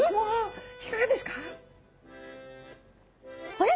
あれ？